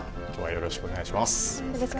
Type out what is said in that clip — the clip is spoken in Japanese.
よろしくお願いします。